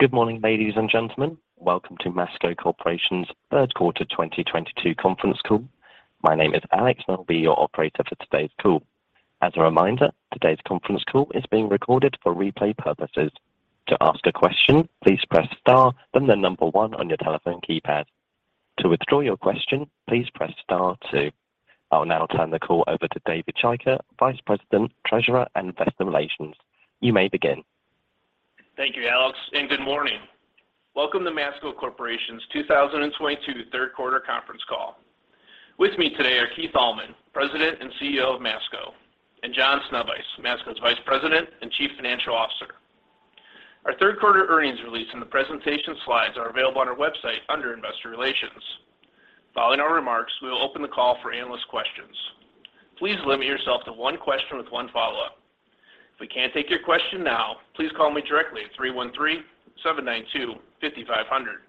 Good morning, ladies and gentlemen. Welcome to Masco Corporation's third quarter 2022 conference call. My name is Alex and I'll be your operator for today's call. As a reminder, today's conference call is being recorded for replay purposes. To ask a question, please press star, then one on your telephone keypad. To withdraw your question, please press star two. I'll now turn the call over to David Chaika, Vice President, Treasurer, and Investor Relations. You may begin. Thank you, Alex, and good morning. Welcome to Masco Corporation's 2022 third quarter conference call. With me today are Keith Allman, President and CEO of Masco, and John Sznewajs, Masco's Vice President and Chief Financial Officer. Our third quarter earnings release and the presentation slides are available on our website under Investor Relations. Following our remarks, we will open the call for analyst questions. Please limit yourself to one question with one follow-up. If we can't take your question now, please call me directly at 313-792-5500.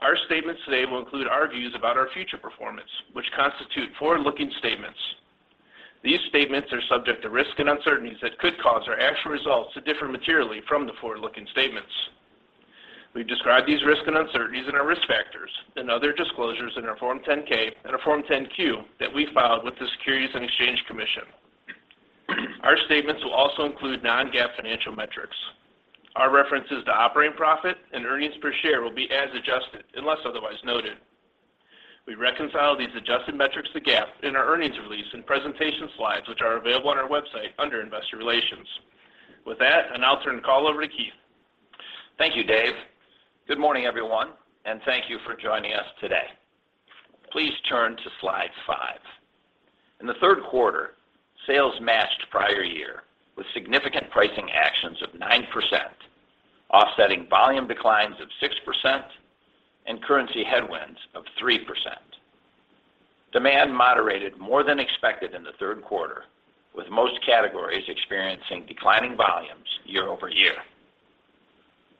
Our statements today will include our views about our future performance, which constitute forward-looking statements. These statements are subject to risks and uncertainties that could cause our actual results to differ materially from the forward-looking statements. We've described these risks and uncertainties in our risk factors and other disclosures in our Form 10-K and our Form 10-Q that we filed with the Securities and Exchange Commission. Our statements will also include non-GAAP financial metrics. Our references to operating profit and earnings per share will be as adjusted unless otherwise noted. We reconcile these adjusted metrics to GAAP in our earnings release and presentation slides, which are available on our website under Investor Relations. With that, I now turn the call over to Keith. Thank you, Dave. Good morning, everyone, and thank you for joining us today. Please turn to Slide five. In the third quarter, sales matched prior year with significant pricing actions of 9%, offsetting volume declines of 6% and currency headwinds of 3%. Demand moderated more than expected in the third quarter, with most categories experiencing declining volumes year-over-year.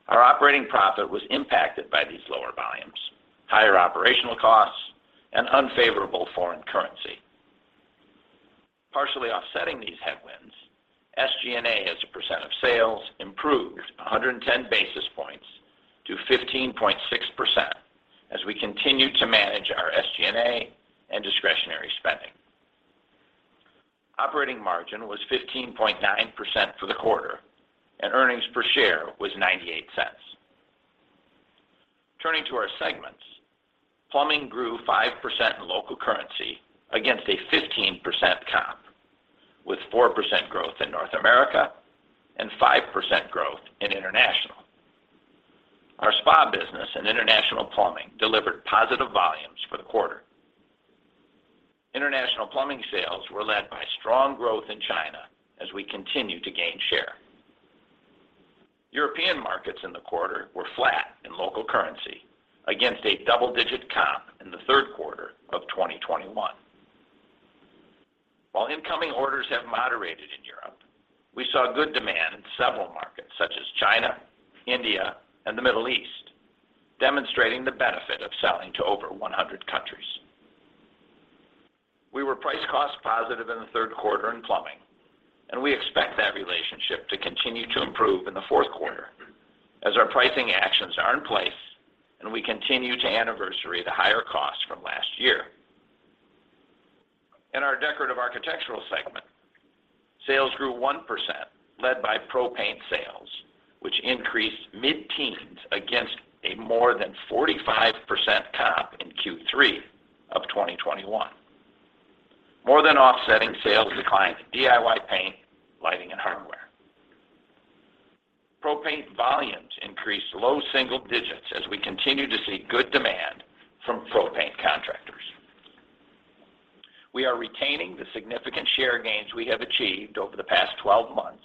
Our operating profit was impacted by these lower volumes, higher operational costs, and unfavorable foreign currency. Partially offsetting these headwinds, SG&A as a percent of sales improved 110 basis points to 15.6% as we continued to manage our SG&A and discretionary spending. Operating margin was 15.9% for the quarter, and earnings per share was $0.98. Turning to our segments, plumbing grew 5% in local currency against a 15% comp, with 4% growth in North America and 5% growth in international. Our spa business and international plumbing delivered positive volumes for the quarter. International plumbing sales were led by strong growth in China as we continued to gain share. European markets in the quarter were flat in local currency against a double-digit comp in the third quarter of 2021. While incoming orders have moderated in Europe, we saw good demand in several markets such as China, India, and the Middle East, demonstrating the benefit of selling to over 100 countries. We were price cost positive in the third quarter in plumbing, and we expect that relationship to continue to improve in the fourth quarter as our pricing actions are in place and we continue to anniversary the higher costs from last year. In our Decorative Architectural segment, sales grew 1%, led by pro paint sales, which increased mid-teens% against a more than 45% comp in Q3 of 2021. More than offsetting sales declines in DIY paint, lighting, and hardware. Pro paint volumes increased low single digits% as we continue to see good demand from pro paint contractors. We are retaining the significant share gains we have achieved over the past 12 months,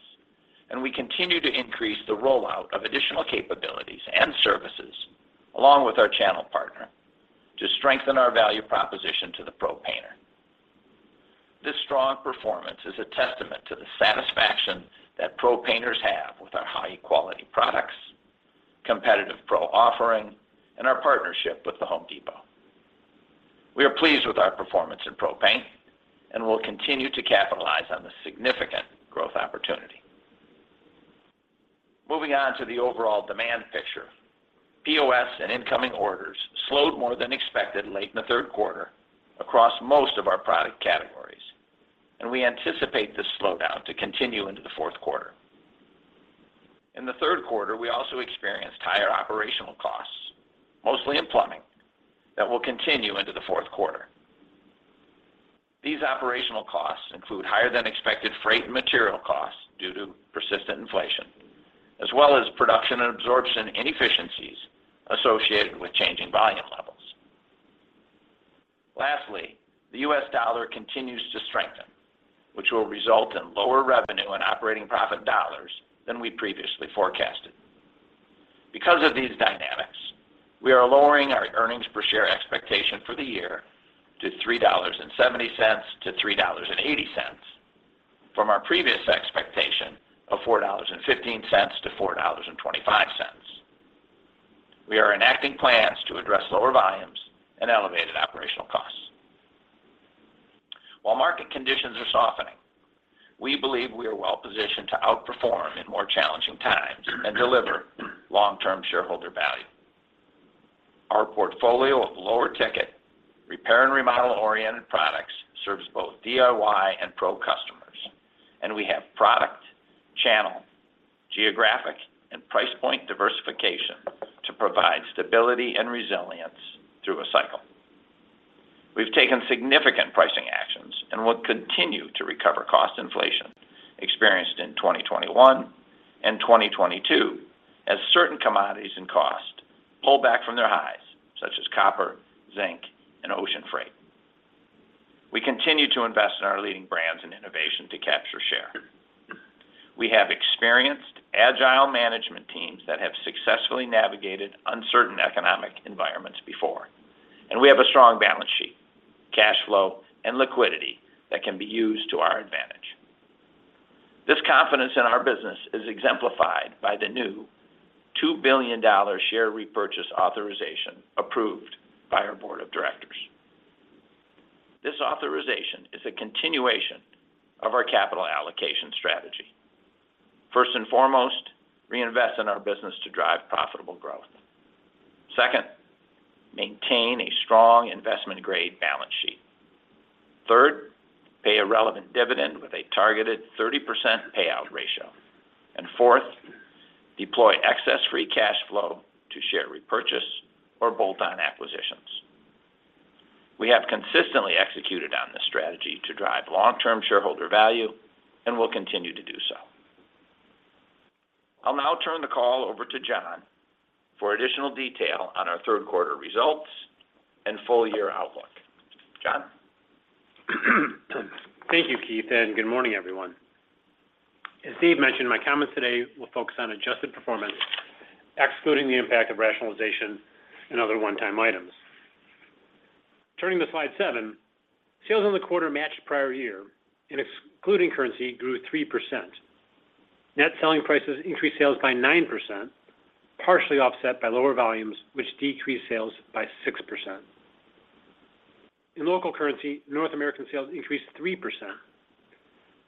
and we continue to increase the rollout of additional capabilities and services along with our channel partner to strengthen our value proposition to the pro painter. This strong performance is a testament to the satisfaction that pro painters have with our high-quality products, competitive pro offering, and our partnership with The Home Depot. We are pleased with our performance in pro paint and will continue to capitalize on this significant growth opportunity. Moving on to the overall demand picture, POS and incoming orders slowed more than expected late in the third quarter across most of our product categories, and we anticipate this slowdown to continue into the fourth quarter. In the third quarter, we also experienced higher operational costs, mostly in plumbing, that will continue into the fourth quarter. These operational costs include higher than expected freight and material costs due to persistent inflation, as well as production and absorption inefficiencies associated with changing volume levels. Lastly, the US dollar continues to strengthen, which will result in lower revenue and operating profit dollars than we previously forecasted. Because of these dynamics, we are lowering our earnings per share expectation for the year to $3.70-$3.80 from our previous expectation of $4.15-$4.25. We are enacting plans to address lower volumes and elevated operational costs. While market conditions are softening, we believe we are well positioned to outperform in more challenging times and deliver long-term shareholder value. Our portfolio of lower ticket repair and remodel-oriented products serves both DIY and pro customers, and we have product, channel, geographic, and price point diversification to provide stability and resilience through a cycle. We've taken significant pricing actions and will continue to recover cost inflation experienced in 2021 and 2022 as certain commodities and costs pull back from their highs, such as copper, zinc, and ocean freight. We continue to invest in our leading brands and innovation to capture share. We have experienced agile management teams that have successfully navigated uncertain economic environments before, and we have a strong balance sheet, cash flow, and liquidity that can be used to our advantage. This confidence in our business is exemplified by the new $2 billion share repurchase authorization approved by our board of directors. This authorization is a continuation of our capital allocation strategy. First and foremost, reinvest in our business to drive profitable growth. Second, maintain a strong investment-grade balance sheet. Third, pay a relevant dividend with a targeted 30% payout ratio. Fourth, deploy excess free cash flow to share repurchase or bolt-on acquisitions. We have consistently executed on this strategy to drive long-term shareholder value and will continue to do so. I'll now turn the call over to John for additional detail on our third quarter results and full year outlook. John? Thank you, Keith, and good morning, everyone. As Steve mentioned, my comments today will focus on adjusted performance, excluding the impact of rationalization and other one-time items. Turning to Slide seven. Sales on the quarter matched prior year and excluding currency grew 3%. Net selling prices increased sales by 9%, partially offset by lower volumes, which decreased sales by 6%. In local currency, North American sales increased 3%.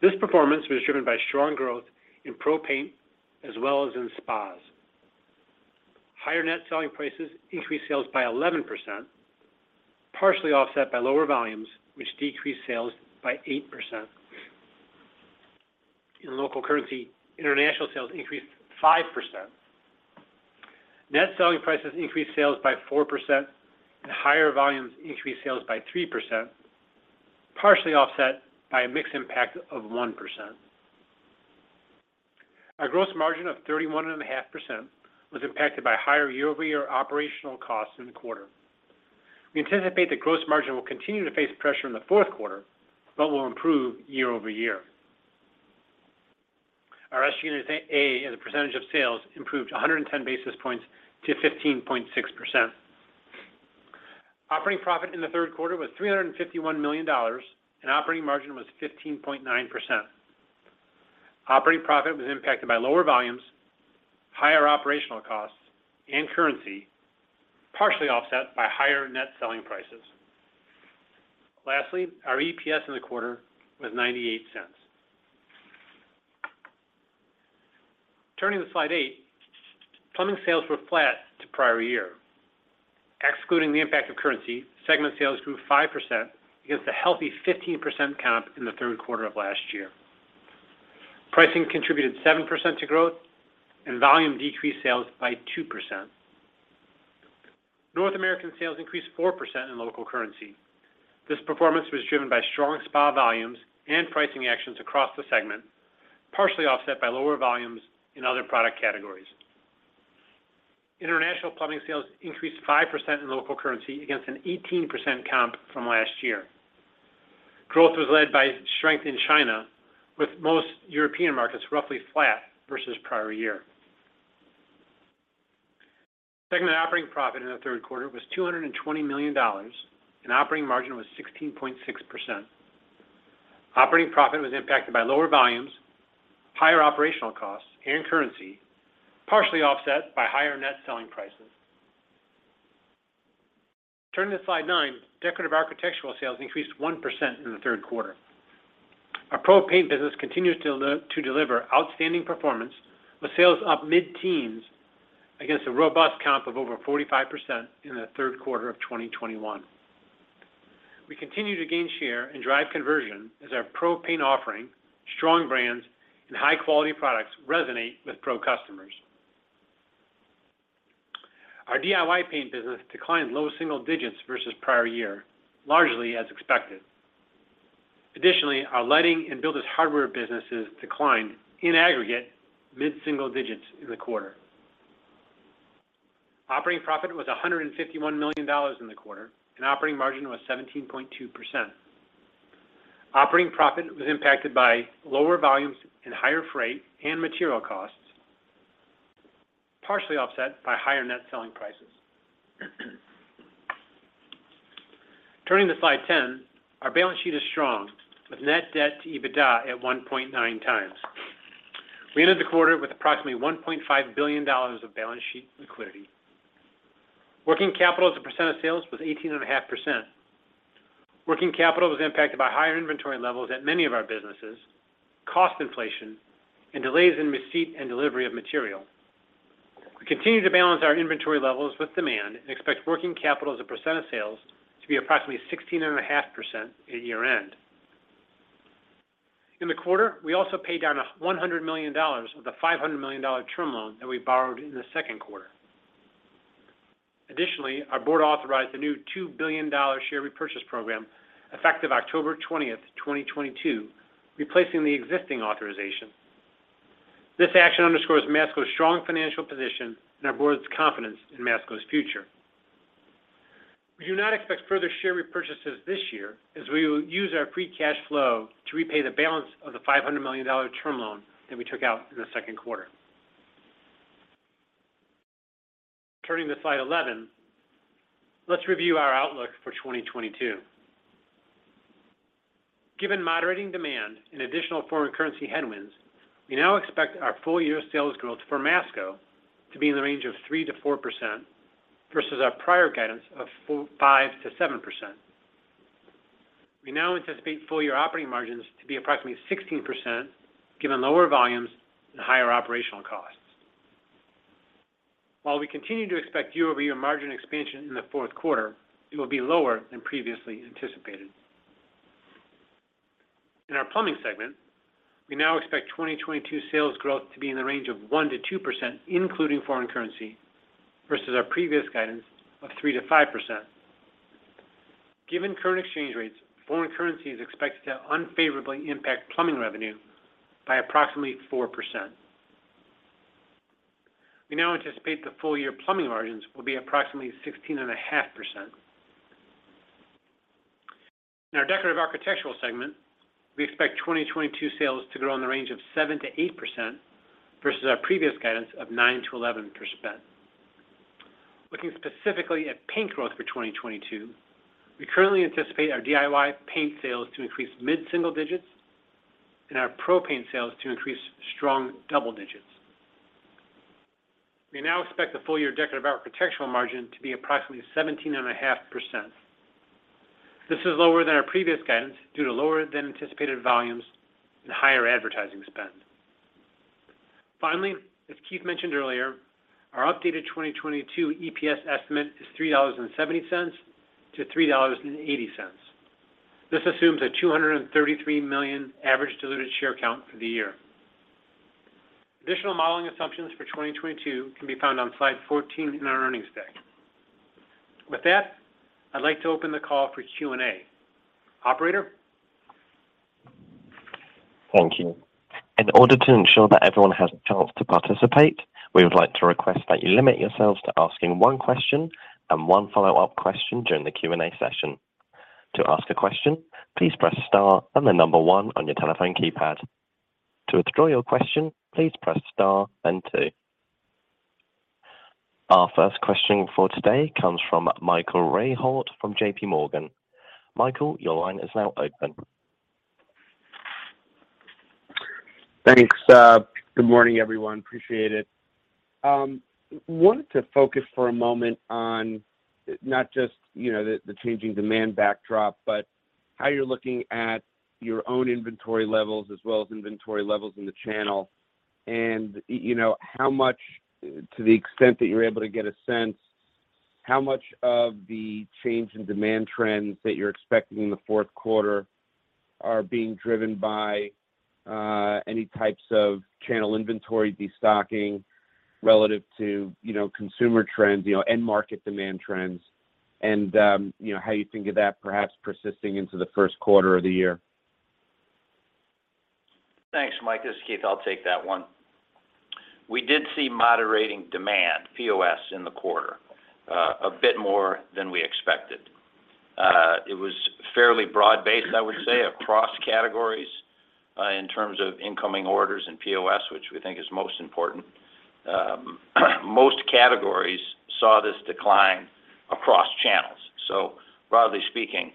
This performance was driven by strong growth in pro paint as well as in spas. Higher net selling prices increased sales by 11%, partially offset by lower volumes, which decreased sales by 8%. In local currency, international sales increased 5%. Net selling prices increased sales by 4%, and higher volumes increased sales by 3%, partially offset by a mix impact of 1%. Our gross margin of 31.5% was impacted by higher year-over-year operational costs in the quarter. We anticipate the gross margin will continue to face pressure in the fourth quarter, but will improve year-over-year. Our SG&A as a percentage of sales improved 110 basis points to 15.6%. Operating profit in the third quarter was $351 million, and operating margin was 15.9%. Operating profit was impacted by lower volumes, higher operational costs and currency, partially offset by higher net selling prices. Lastly, our EPS in the quarter was $0.98. Turning to Slide eight. Plumbing sales were flat to prior year. Excluding the impact of currency, segment sales grew 5% against a healthy 15% comp in the third quarter of last year. Pricing contributed 7% to growth and volume decreased sales by 2%. North American sales increased 4% in local currency. This performance was driven by strong spa volumes and pricing actions across the segment, partially offset by lower volumes in other product categories. International plumbing sales increased 5% in local currency against an 18% comp from last year. Growth was led by strength in China, with most European markets roughly flat versus prior year. Segment operating profit in the third quarter was $220 million, and operating margin was 16.6%. Operating profit was impacted by lower volumes, higher operational costs, and currency, partially offset by higher net selling prices. Turning to Slide nine. Decorative Architectural sales increased 1% in the third quarter. Our pro paint business continues to deliver outstanding performance, with sales up mid-teens% against a robust comp of over 45% in the third quarter of 2021. We continue to gain share and drive conversion as our pro paint offering, strong brands, and high-quality products resonate with pro customers. Our DIY paint business declined low single digits versus prior year, largely as expected. Additionally, our lighting and builders hardware businesses declined in aggregate mid-single digits in the quarter. Operating profit was $151 million in the quarter, and operating margin was 17.2%. Operating profit was impacted by lower volumes and higher freight and material costs, partially offset by higher net selling prices. Turning to Slide 10. Our balance sheet is strong, with net debt to EBITDA at 1.9x. We ended the quarter with approximately $1.5 billion of balance sheet liquidity. Working capital as a percent of sales was 18.5%. Working capital was impacted by higher inventory levels at many of our businesses, cost inflation, and delays in receipt and delivery of material. We continue to balance our inventory levels with demand and expect working capital as a percent of sales to be approximately 16.5% at year-end. In the quarter, we also paid down $100 million of the $500 million term loan that we borrowed in the second quarter. Additionally, our board authorized a new $2 billion share repurchase program effective October 20th, 2022, replacing the existing authorization. This action underscores Masco's strong financial position and our board's confidence in Masco's future. We do not expect further share repurchases this year as we will use our free cash flow to repay the balance of the $500 million term loan that we took out in the second quarter. Turning to Slide 11, let's review our outlook for 2022. Given moderating demand and additional foreign currency headwinds, we now expect our full year sales growth for Masco to be in the range of 3%-4% versus our prior guidance of 5%-7%. We now anticipate full year operating margins to be approximately 16% given lower volumes and higher operational costs. While we continue to expect year-over-year margin expansion in the fourth quarter, it will be lower than previously anticipated. In our plumbing segment, we now expect 2022 sales growth to be in the range of 1%-2%, including foreign currency, versus our previous guidance of 3%-5%. Given current exchange rates, foreign currency is expected to unfavorably impact plumbing revenue by approximately 4%. We now anticipate the full-year plumbing margins will be approximately 16.5%. In our Decorative Architectural segment, we expect 2022 sales to grow in the range of 7%-8% versus our previous guidance of 9%-11%. Looking specifically at paint growth for 2022, we currently anticipate our DIY paint sales to increase mid-single digits and our pro paint sales to increase strong double digits. We now expect the full-year Decorative Architectural margin to be approximately 17.5%. This is lower than our previous guidance due to lower than anticipated volumes and higher advertising spend. Finally, as Keith mentioned earlier, our updated 2022 EPS estimate is $3.70-$3.80. This assumes a $233 million average diluted share count for the year. Additional modeling assumptions for 2022 can be found on Slide 14 in our earnings deck. With that, I'd like to open the call for Q&A. Operator? Thank you. In order to ensure that everyone has a chance to participate, we would like to request that you limit yourselves to asking one question and one follow-up question during the Q&A session. To ask a question, please press star and the number one on your telephone keypad. To withdraw your question, please press star and two. Our first question for today comes from Michael Rehaut from JPMorgan. Michael, your line is now open. Thanks, good morning, everyone. Appreciate it. Wanted to focus for a moment on not just, you know, the changing demand backdrop, but how you're looking at your own inventory levels as well as inventory levels in the channel and you know, how much, to the extent that you're able to get a sense, how much of the change in demand trends that you're expecting in the fourth quarter are being driven by, any types of channel inventory destocking relative to, you know, consumer trends, you know, end market demand trends, and, you know, how you think of that perhaps persisting into the first quarter of the year? Thanks, Mike. This is Keith. I'll take that one. We did see moderating demand, POS, in the quarter, a bit more than we expected. It was fairly broad-based, I would say, across categories, in terms of incoming orders in POS, which we think is most important. Most categories saw this decline across channels. Broadly speaking,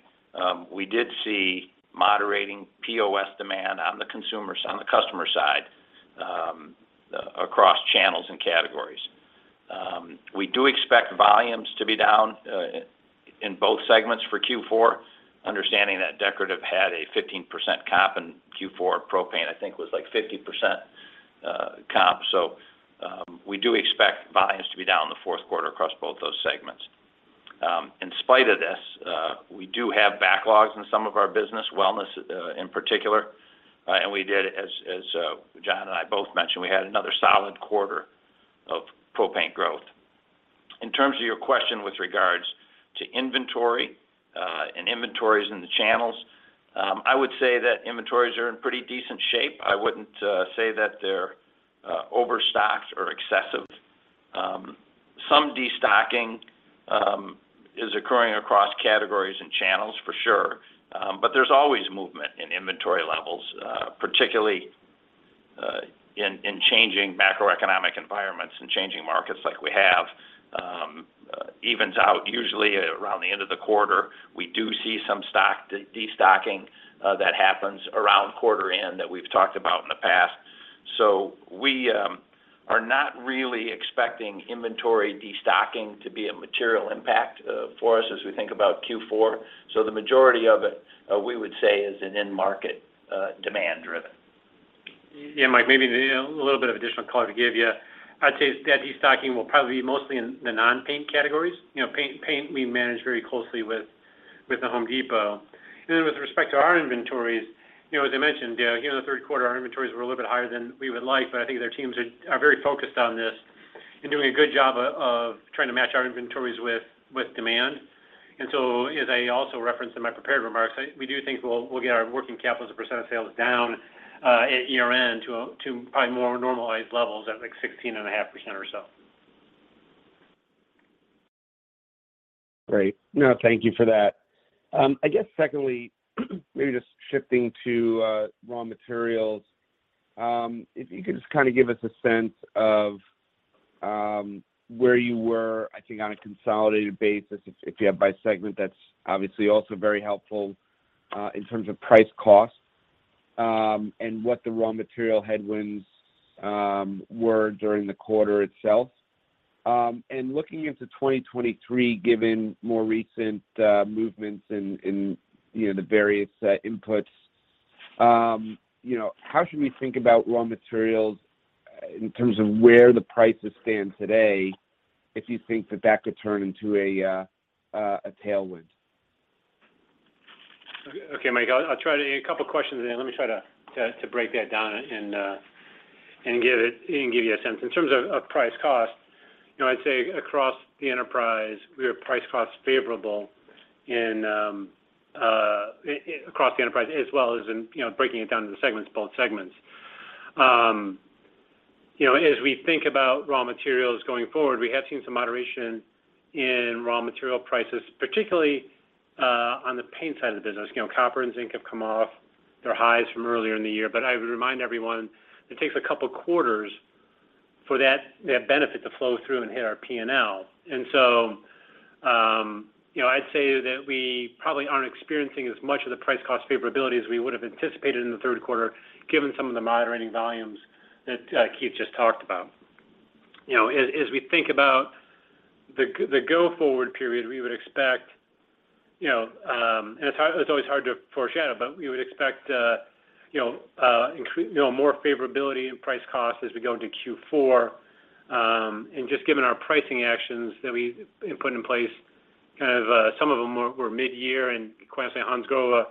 we did see moderating POS demand on the customer side, across channels and categories. We do expect volumes to be down, in both segments for Q4, understanding that decorative had a 15% comp in Q4, plumbing I think was, like, 50%, comp. We do expect volumes to be down in the fourth quarter across both those segments. In spite of this, we do have backlogs in some of our businesses in particular, and we did, as John and I both mentioned, we had another solid quarter of pro paint growth. In terms of your question with regards to inventory and inventories in the channels, I would say that inventories are in pretty decent shape. I wouldn't say that they're overstocked or excessive. Some destocking is occurring across categories and channels for sure, but there's always movement in inventory levels, particularly in changing macroeconomic environments and changing markets like we have. It evens out usually around the end of the quarter. We do see some stock destocking that happens around quarter end that we've talked about in the past. We are not really expecting inventory destocking to be a material impact for us as we think about Q4. The majority of it we would say is an end market demand driven. Yeah, Mike, maybe, you know, a little bit of additional color to give you. I'd say that destocking will probably be mostly in the non-paint categories. You know, paint we manage very closely with The Home Depot. With respect to our inventories, you know, as I mentioned in the third quarter, our inventories were a little bit higher than we would like, but I think their teams are very focused on this and doing a good job of trying to match our inventories with demand. As I also referenced in my prepared remarks, we do think we'll get our working capital as a % of sales down at year-end to probably more normalized levels at, like, 16.5% or so. Great. No, thank you for that. I guess secondly, maybe just shifting to raw materials. If you could just kind of give us a sense of where you were, I think on a consolidated basis, if you have by segment, that's obviously also very helpful, in terms of price cost, and what the raw material headwinds were during the quarter itself. Looking into 2023, given more recent movements in, you know, the various inputs, you know, how should we think about raw materials in terms of where the prices stand today, if you think that could turn into a tailwind? Okay, Mike, I'll try to. A couple of questions there. Let me try to break that down and give you a sense. In terms of price cost, you know, I'd say across the enterprise, we are price cost favorable across the enterprise as well as in, you know, breaking it down into segments, both segments. You know, as we think about raw materials going forward, we have seen some moderation in raw material prices, particularly on the paint side of the business. You know, copper and zinc have come off their highs from earlier in the year. I would remind everyone, it takes a couple of quarters for that benefit to flow through and hit our P&L. You know, I'd say that we probably aren't experiencing as much of the price cost favorability as we would have anticipated in the third quarter, given some of the moderating volumes that Keith just talked about. You know, as we think about the go forward period, we would expect, you know, and it's always hard to foreshadow, but we would expect, you know, more favorability in price cost as we go into Q4. Just given our pricing actions that we put in place, kind of, some of them were mid-year, and Quinsa and Hansgrohe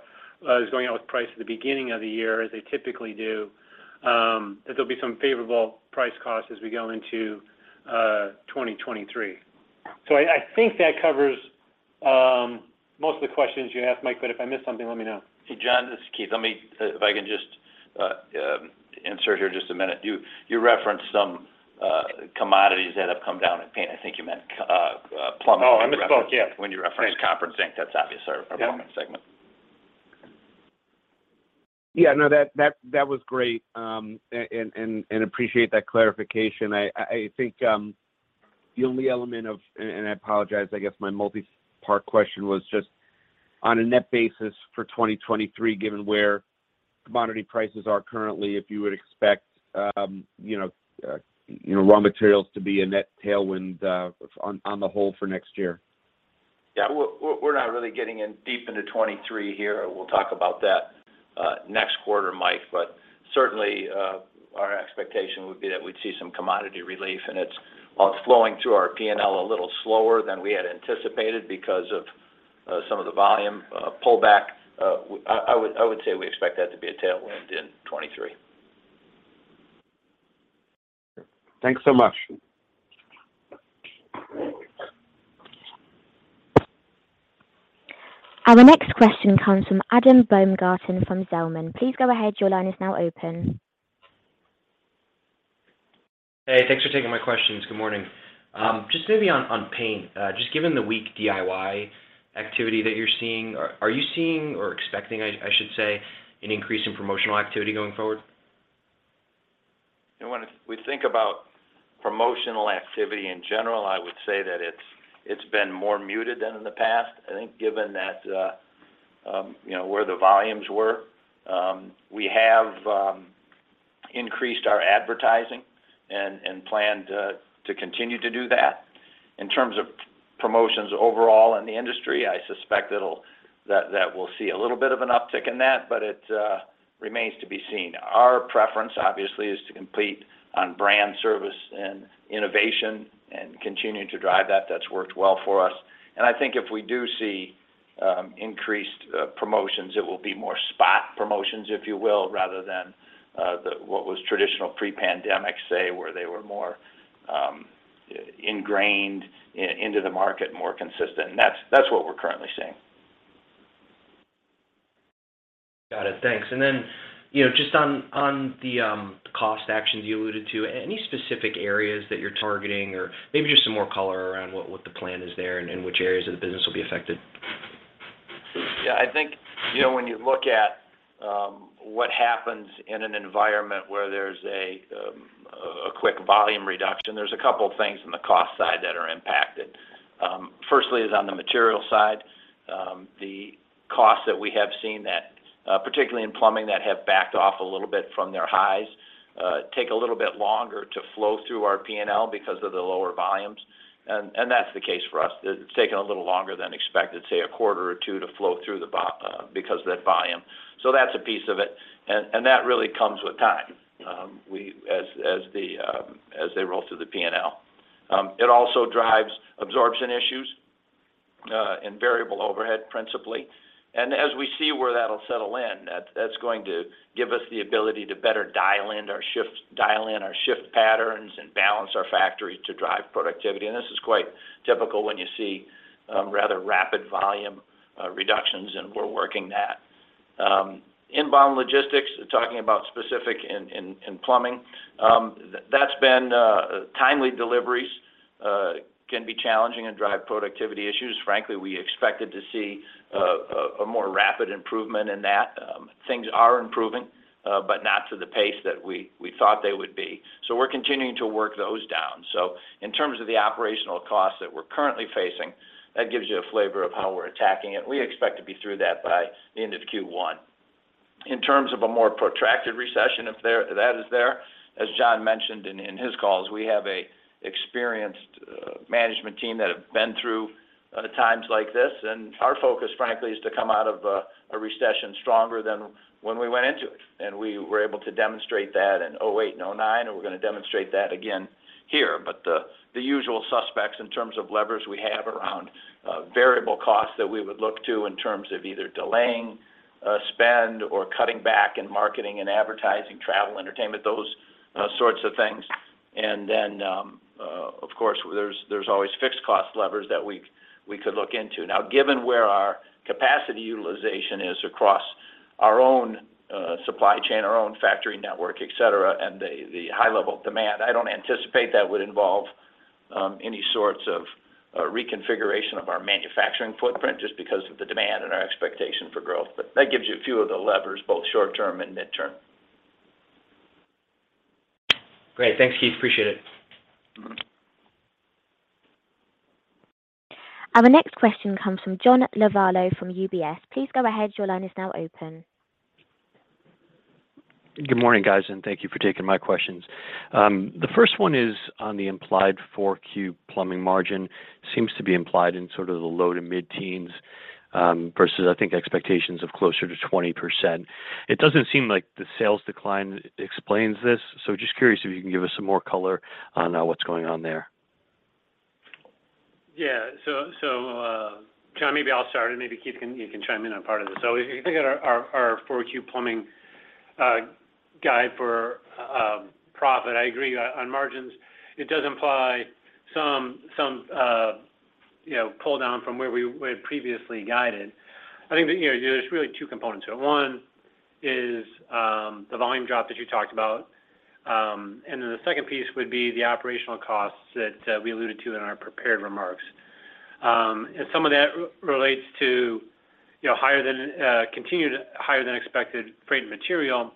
is going out with price at the beginning of the year, as they typically do, that there'll be some favorable price cost as we go into 2023. I think that covers most of the questions you asked, Mike, but if I missed something, let me know. Hey, John, this is Keith. If I can just interrupt here just a minute. You referenced some commodities that have come down in paint. I think you meant plumbing. Oh, I misspoke. Yeah. When you referenced copper and zinc. That's obviously our performance segment. Yeah, no, that was great. Appreciate that clarification. I think, I apologize, I guess my multi-part question was just on a net basis for 2023, given where commodity prices are currently, if you would expect, you know, raw materials to be a net tailwind on the whole for next year? Yeah. We're not really getting in deep into 2023 here. We'll talk about that next quarter, Mike. Certainly, our expectation would be that we'd see some commodity relief, and it's while it's flowing through our P&L a little slower than we had anticipated because of some of the volume pullback. I would say we expect that to be a tailwind in 2023. Thanks so much. Our next question comes from Adam Baumgarten from Zelman. Please go ahead. Your line is now open. Hey, thanks for taking my questions. Good morning. Just maybe on paint, just given the weak DIY activity that you're seeing, are you seeing or expecting, I should say, an increase in promotional activity going forward? When we think about promotional activity in general, I would say that it's been more muted than in the past. I think given that, you know, where the volumes were, we have increased our advertising and plan to continue to do that. In terms of promotions overall in the industry, I suspect that we'll see a little bit of an uptick in that, but it remains to be seen. Our preference, obviously, is to compete on brand service and innovation and continue to drive that. That's worked well for us. I think if we do see increased promotions, it will be more spot promotions, if you will, rather than what was traditional pre-pandemic, say, where they were more ingrained into the market and more consistent. That's what we're currently seeing. Got it. Thanks. You know, just on the cost actions you alluded to, any specific areas that you're targeting or maybe just some more color around what the plan is there and which areas of the business will be affected? Yeah. I think, you know, when you look at what happens in an environment where there's a quick volume reduction, there's a couple of things in the cost side that are impacted. Firstly is on the material side. The costs that we have seen that, particularly in plumbing that have backed off a little bit from their highs, take a little bit longer to flow through our P&L because of the lower volumes. And that's the case for us. It's taken a little longer than expected, say a quarter or two to flow through because of that volume. That's a piece of it, and that really comes with time. As they roll through the P&L. It also drives absorption issues and variable overhead principally. As we see where that'll settle in, that's going to give us the ability to better dial in our shifts, dial in our shift patterns and balance our factory to drive productivity. This is quite typical when you see rather rapid volume reductions, and we're working that. Inbound logistics, talking about specifically in plumbing, that's been timely deliveries can be challenging and drive productivity issues. Frankly, we expected to see a more rapid improvement in that. Things are improving, but not to the pace that we thought they would be. We're continuing to work those down. In terms of the operational costs that we're currently facing, that gives you a flavor of how we're attacking it. We expect to be through that by the end of Q1. In terms of a more protracted recession, if that is there, as John mentioned in his calls, we have an experienced management team that have been through times like this. Our focus, frankly, is to come out of a recession stronger than when we went into it. We were able to demonstrate that in 2008 and 2009, and we're going to demonstrate that again here. The usual suspects in terms of levers we have around variable costs that we would look to in terms of either delaying spend or cutting back in marketing and advertising, travel, entertainment, those sorts of things. Then, of course, there's always fixed cost levers that we could look into. Now, given where our capacity utilization is across our own supply chain, our own factory network, et cetera, and the high level of demand, I don't anticipate that would involve any sorts of reconfiguration of our manufacturing footprint just because of the demand and our expectation for growth. That gives you a few of the levers, both short-term and midterm. Great. Thanks, Keith. Appreciate it. Our next question comes from John Lovallo from UBS. Please go ahead. Your line is now open. Good morning, guys, and thank you for taking my questions. The first one is on the implied 4Q plumbing margin. Seems to be implied in sort of the low to mid-teens versus, I think, expectations of closer to 20%. It doesn't seem like the sales decline explains this. Just curious if you can give us some more color on what's going on there. Yeah. John, maybe I'll start and maybe Keith can chime in on part of this. If you think about our 4Q plumbing guide for profit, I agree on margins. It does imply some, you know, pull down from where we were previously guided. I think that, you know, there's really two components here. One is the volume drop that you talked about. The second piece would be the operational costs that we alluded to in our prepared remarks. Some of that relates to, you know, continued higher than expected freight material,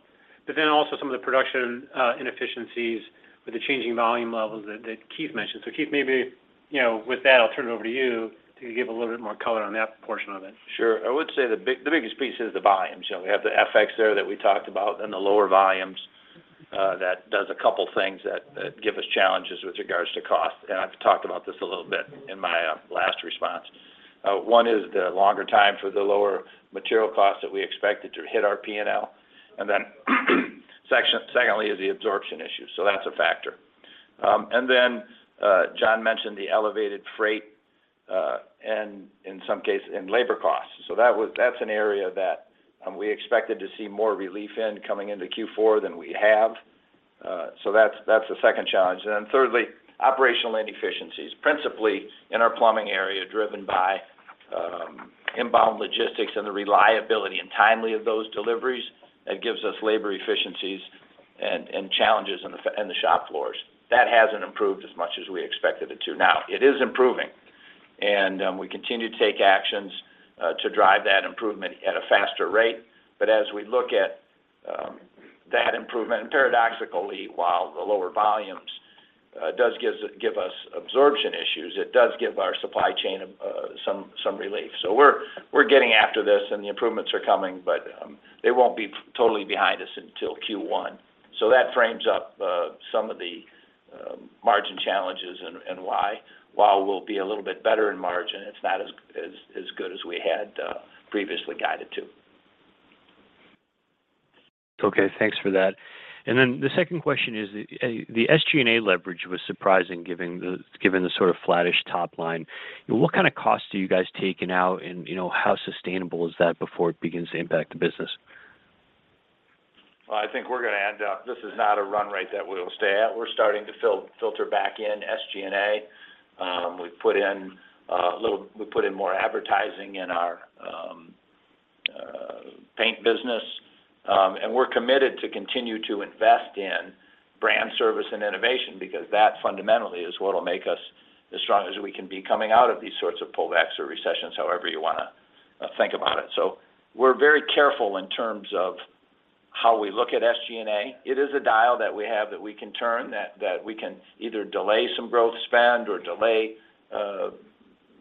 but then also some of the production inefficiencies with the changing volume levels that Keith mentioned. Keith, maybe, you know, with that, I'll turn it over to you to give a little bit more color on that portion of it. Sure. I would say the biggest piece is the volume. We have the FX there that we talked about and the lower volumes, that does a couple things that give us challenges with regards to cost. I've talked about this a little bit in my last response. One is the longer time for the lower material costs that we expected to hit our P&L. Secondly, is the absorption issue. That's a factor. John mentioned the elevated freight and, in some cases, labor costs. That's an area that we expected to see more relief in coming into Q4 than we have. That's the second challenge. Thirdly, operational inefficiencies, principally in our plumbing area, driven by inbound logistics and the reliability and timeliness of those deliveries. That gives us labor inefficiencies and challenges in the shop floors. That hasn't improved as much as we expected it to. Now, it is improving, and we continue to take actions to drive that improvement at a faster rate. As we look at that improvement, paradoxically, while the lower volumes give us absorption issues, it does give our supply chain some relief. We're getting after this and the improvements are coming, but they won't be totally behind us until Q1. That frames up some of the margin challenges and why. While we'll be a little bit better in margin, it's not as good as we had previously guided to. Okay, thanks for that. The second question is, the SG&A leverage was surprising given the sort of flattish top line. What kind of costs are you guys taking out and, you know, how sustainable is that before it begins to impact the business? This is not a run rate that we'll stay at. We're starting to filter back in SG&A. We've put in more advertising in our paint business. We're committed to continue to invest in brand service and innovation. That fundamentally is what'll make us as strong as we can be coming out of these sorts of pullbacks or recessions, however you wanna think about it. We're very careful in terms of how we look at SG&A. It is a dial that we have that we can turn, that we can either delay some growth spend or delay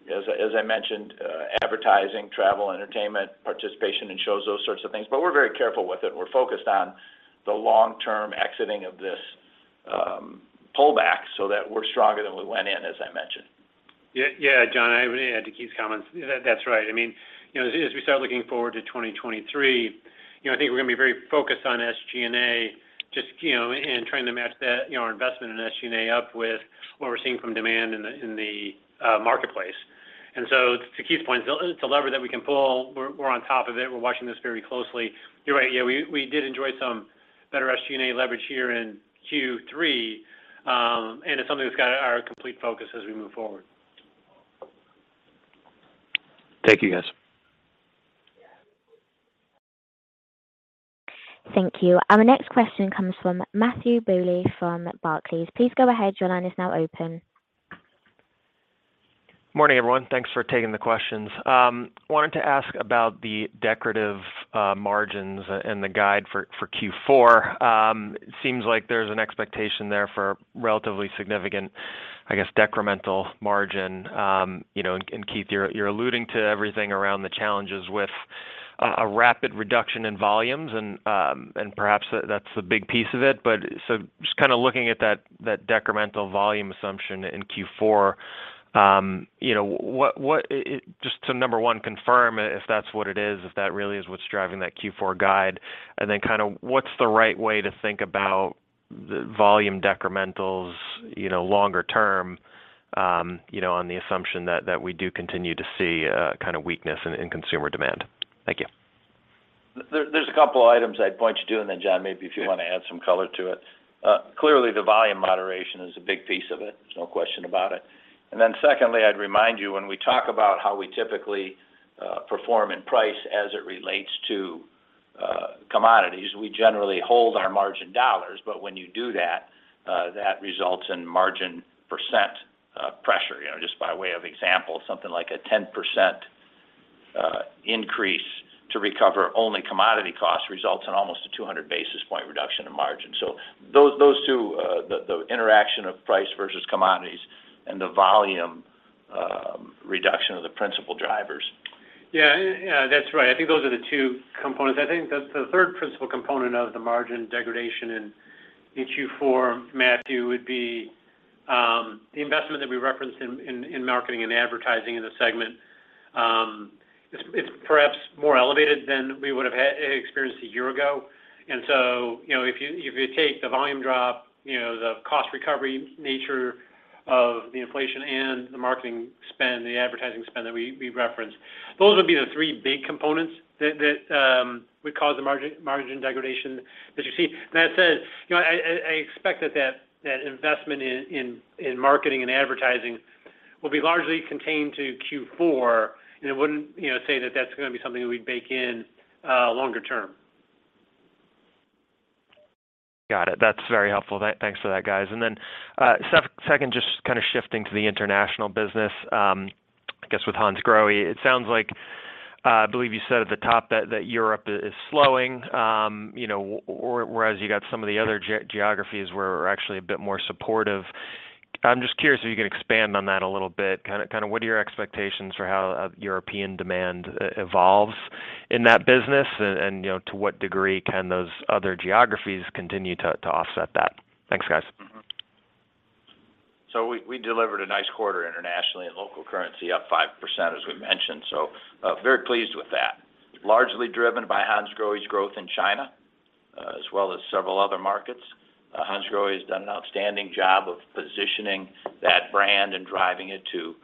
as I mentioned advertising, travel, entertainment, participation in shows, those sorts of things. We're very careful with it. We're focused on the long-term exiting of this pullback so that we're stronger than we went in, as I mentioned. Yeah, John, I would add to Keith's comments. That's right. I mean, you know, as we start looking forward to 2023, you know, I think we're gonna be very focused on SG&A just, you know, in trying to match that, you know, our investment in SG&A up with what we're seeing from demand in the marketplace. To Keith's point, it's a lever that we can pull. We're on top of it. We're watching this very closely. You're right. Yeah, we did enjoy some better SG&A leverage here in Q3, and it's something that's got our complete focus as we move forward. Thank you, guys. Thank you. Our next question comes from Matthew Bouley from Barclays. Please go ahead. Your line is now open. Morning, everyone. Thanks for taking the questions. Wanted to ask about the decorative margins and the guide for Q4. Seems like there's an expectation there for relatively significant, I guess, decremental margin. You know, and Keith, you're alluding to everything around the challenges with a rapid reduction in volumes and perhaps that's a big piece of it. Just kinda looking at that decremental volume assumption in Q4, you know, what. Just to number one, confirm if that's what it is, if that really is what's driving that Q4 guide. Then kinda what's the right way to think about the volume decrementals, you know, longer term, on the assumption that we do continue to see kind of weakness in consumer demand. Thank you. There's a couple items I'd point you to, and then John, maybe if you wanna add some color to it. Clearly the volume moderation is a big piece of it. There's no question about it. Then secondly, I'd remind you, when we talk about how we typically perform in price as it relates to commodities, we generally hold our margin dollars. When you do that results in margin percent pressure. You know, just by way of example, something like a 10% increase to recover only commodity costs results in almost a 200 basis point reduction in margin. Those two, the interaction of price versus commodities and the volume reduction are the principal drivers. Yeah. Yeah, that's right. I think those are the two components. I think the third principal component of the margin degradation in Q4, Matthew, would be the investment that we referenced in marketing and advertising in the segment. It's perhaps more elevated than we would have experienced a year ago. You know, if you take the volume drop, you know, the cost recovery nature of the inflation and the marketing spend, the advertising spend that we referenced, those would be the three big components that would cause the margin degradation that you see. That said, you know, I expect that investment in marketing and advertising will be largely contained to Q4, and I wouldn't say that that's gonna be something that we'd bake in longer term. Got it. That's very helpful. Thanks for that, guys. Then second, just kinda shifting to the international business, I guess with Hansgrohe, it sounds like, I believe you said at the top that Europe is slowing, whereas you got some of the other geographies were actually a bit more supportive. I'm just curious if you can expand on that a little bit. Kinda what are your expectations for how European demand evolves in that business? And you know, to what degree can those other geographies continue to offset that? Thanks, guys. We delivered a nice quarter internationally in local currency, up 5%, as we mentioned. Very pleased with that. Largely driven by Hansgrohe's growth in China, as well as several other markets. Hansgrohe has done an outstanding job of positioning that brand and driving it to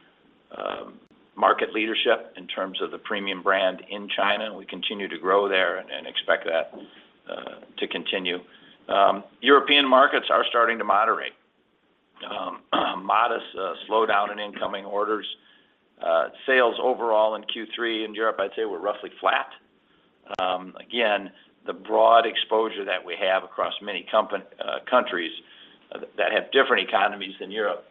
market leadership in terms of the premium brand in China, and we continue to grow there and expect that to continue. European markets are starting to moderate. Modest slowdown in incoming orders. Sales overall in Q3 in Europe, I'd say were roughly flat. Again, the broad exposure that we have across many countries that have different economies than Europe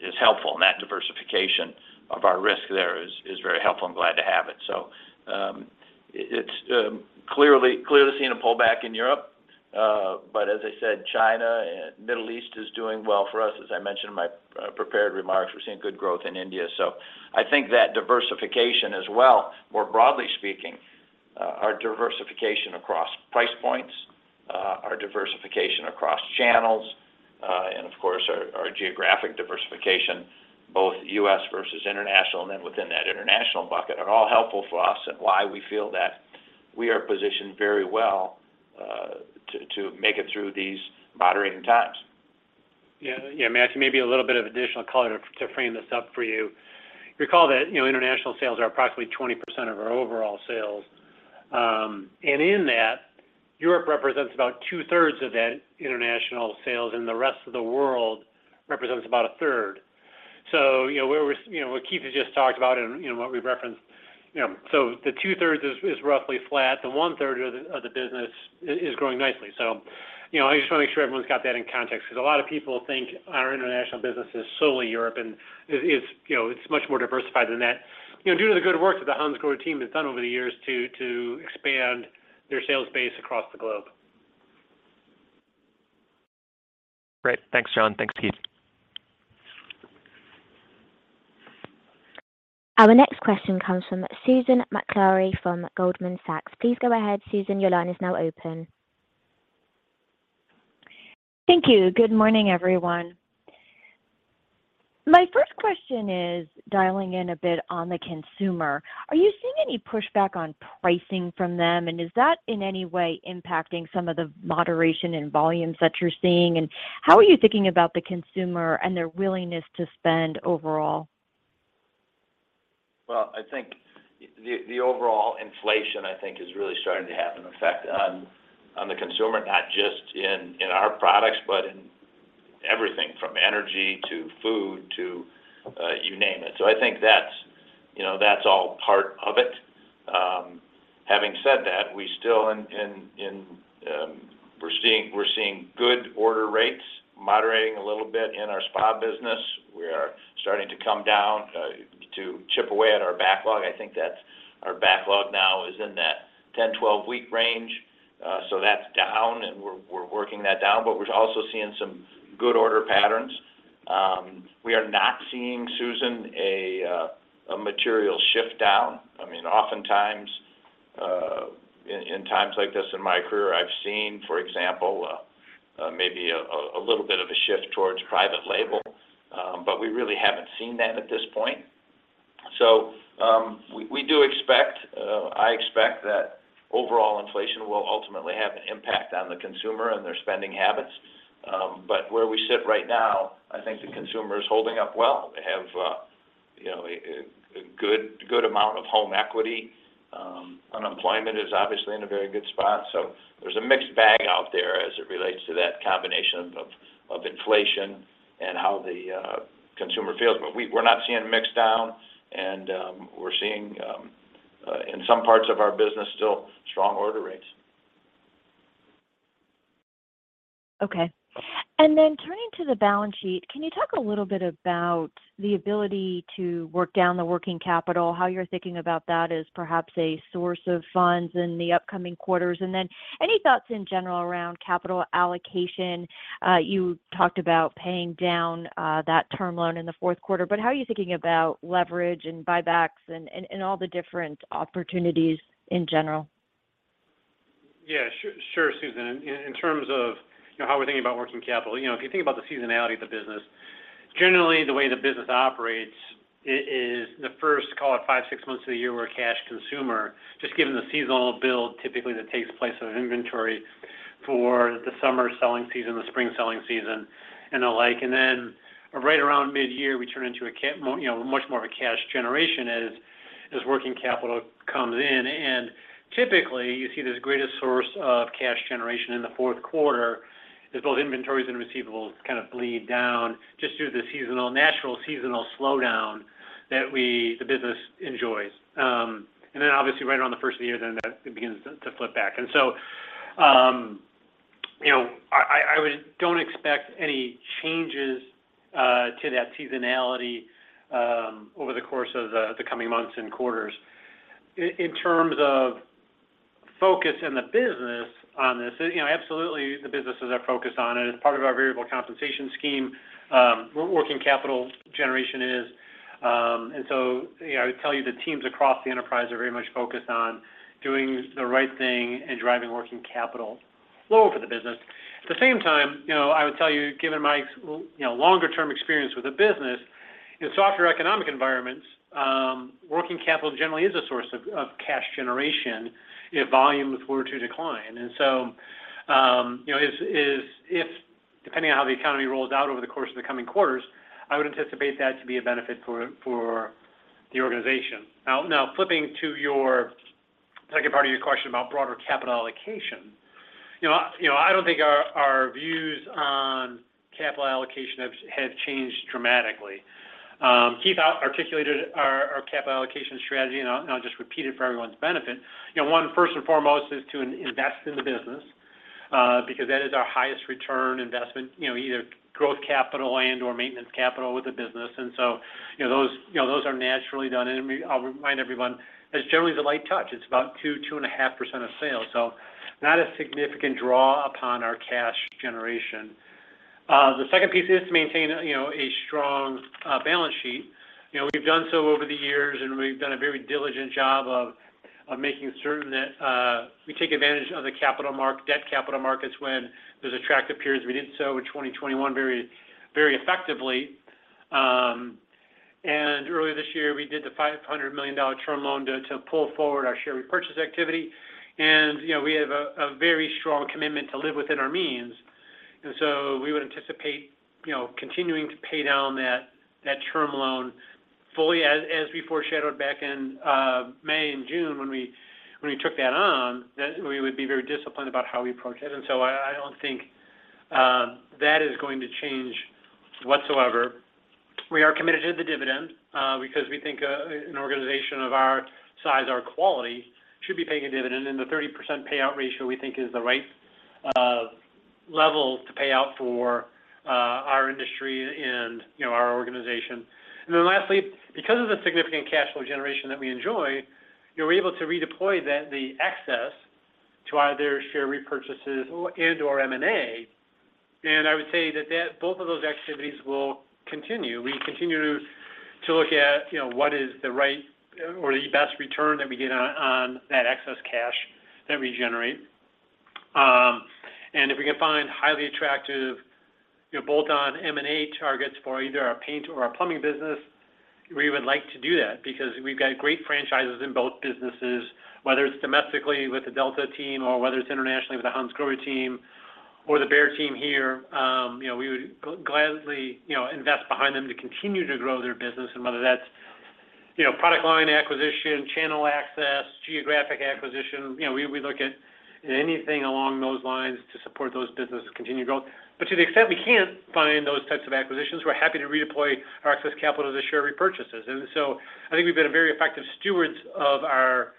is helpful, and that diversification of our risk there is very helpful, and I'm glad to have it. It's clearly seeing a pullback in Europe. As I said, China and Middle East is doing well for us. As I mentioned in my prepared remarks, we're seeing good growth in India. I think that diversification as well, more broadly speaking, our diversification across price points, our diversification across channels, and of course, our geographic diversification, both U.S. versus international and then within that international bucket, are all helpful for us and why we feel that we are positioned very well, to make it through these moderating times. Yeah. Yeah, Matthew, maybe a little bit of additional color to frame this up for you. Recall that, you know, international sales are approximately 20% of our overall sales. In that, Europe represents about two-thirds of that international sales, and the rest of the world represents about a third. You know, what Keith has just talked about and, you know, what we've referenced. You know, the two-thirds is roughly flat. The one-third of the business is growing nicely. You know, I just wanna make sure everyone's got that in context because a lot of people think our international business is solely Europe, and it isn't, you know, it's much more diversified than that. You know, due to the good work that the Hansgrohe team has done over the years to expand their sales base across the globe. Great. Thanks, John. Thanks, Keith. Our next question comes from Susan Maklari from Goldman Sachs. Please go ahead, Susan. Your line is now open. Thank you. Good morning, everyone. My first question is dialing in a bit on the consumer. Are you seeing any pushback on pricing from them? Is that in any way impacting some of the moderation in volumes that you're seeing? How are you thinking about the consumer and their willingness to spend overall? Well, I think the overall inflation, I think is really starting to have an effect on the consumer, not just in our products, but in everything from energy to food to you name it. I think that's, you know, that's all part of it. Having said that, we're seeing good order rates moderating a little bit in our spa business. We are starting to come down to chip away at our backlog. I think that our backlog now is in that 10-12 week range. That's down and we're working that down, but we're also seeing some good order patterns. We are not seeing, Susan, a material shift down. I mean, oftentimes, in times like this in my career, I've seen, for example, maybe a little bit of a shift towards private label. We really haven't seen that at this point. I expect that overall inflation will ultimately have an impact on the consumer and their spending habits. Where we sit right now, I think the consumer is holding up well. They have, you know, a good amount of home equity. Unemployment is obviously in a very good spot. There's a mixed bag out there as it relates to that combination of inflation and how the consumer feels. We're not seeing a mixed down and we're seeing in some parts of our business still strong order rates. Okay. Turning to the balance sheet, can you talk a little bit about the ability to work down the working capital? How you're thinking about that as perhaps a source of funds in the upcoming quarters? Any thoughts in general around capital allocation? You talked about paying down that term loan in the fourth quarter, but how are you thinking about leverage and buybacks and all the different opportunities in general? Yeah. Sure, Susan. In terms of, you know, how we're thinking about working capital. You know, if you think about the seasonality of the business, generally the way the business operates is the first, call it five, six months of the year, we're a cash consumer, just given the seasonal build typically that takes place of inventory for the summer selling season, the spring selling season and the like. Then right around mid-year, we turn into you know, much more of a cash generation as working capital comes in. Typically, you see this greatest source of cash generation in the fourth quarter as both inventories and receivables kind of bleed down just through the seasonal, natural seasonal slowdown that the business enjoys. Obviously right around the first of the year, that begins to flip back. Don't expect any changes to that seasonality over the course of the coming months and quarters. In terms of focus in the business on this, you know, absolutely the businesses are focused on it. As part of our variable compensation scheme, working capital generation is. You know, I would tell you the teams across the enterprise are very much focused on doing the right thing and driving working capital lower for the business. At the same time, you know, I would tell you, given my longer term experience with the business, in softer economic environments, working capital generally is a source of cash generation if volumes were to decline. If depending on how the economy rolls out over the course of the coming quarters, I would anticipate that to be a benefit for the organization. Now flipping to your second part of your question about broader capital allocation. You know, I don't think our views on capital allocation have changed dramatically. Keith articulated our capital allocation strategy, and I'll just repeat it for everyone's benefit. You know, one, first and foremost, is to invest in the business, because that is our highest return investment, you know, either growth capital and/or maintenance capital with the business. You know, those are naturally done. I'll remind everyone, that's generally the light touch. It's about 2.5% of sales. Not a significant draw upon our cash generation. The second piece is to maintain, you know, a strong balance sheet. You know, we've done so over the years, and we've done a very diligent job of making certain that we take advantage of the debt capital markets when there's attractive periods. We did so in 2021 very, very effectively. Earlier this year, we did the $500 million term loan to pull forward our share repurchase activity. You know, we have a very strong commitment to live within our means. We would anticipate, you know, continuing to pay down that term loan fully as we foreshadowed back in May and June when we took that on, that we would be very disciplined about how we approach it. I don't think that is going to change whatsoever. We are committed to the dividend, because we think, an organization of our size, our quality should be paying a dividend. The 30% payout ratio, we think is the right, level to pay out for, our industry and, you know, our organization. Lastly, because of the significant cash flow generation that we enjoy, we're able to redeploy the excess to either share repurchases or and/or M&A. I would say that both of those activities will continue. We continue to look at, you know, what is the right or the best return that we get on that excess cash that we generate. If we can find highly attractive, you know, bolt-on M&A targets for either our paint or our plumbing business, we would like to do that because we've got great franchises in both businesses, whether it's domestically with the Delta team or whether it's internationally with the Hansgrohe team or the Behr team here. You know, we would gladly, you know, invest behind them to continue to grow their business. Whether that's, you know, product line acquisition, channel access, geographic acquisition, you know, we look at anything along those lines to support those businesses continue to grow. To the extent we can't find those types of acquisitions, we're happy to redeploy our excess capital to the share repurchases. I think we've been a very effective stewards of our